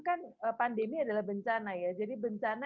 kan pandemi adalah bencana ya jadi bencana